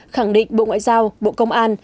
khẳng định bộ ngoại giao bộ công an